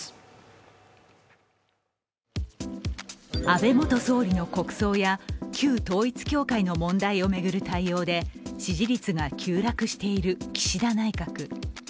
安倍元総理の国葬や、旧統一教会の問題を巡る対応で支持率が急落している岸田内閣。